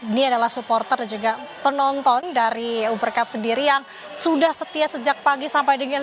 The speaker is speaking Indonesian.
ini adalah supporter juga penonton dari uber cup sendiri yang sudah setia sejak pagi sampai dengan